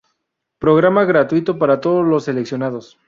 Programa gratuito para todos los seleccionados.